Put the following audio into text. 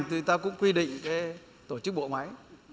thì ta cũng quy định tổ chức bộ máy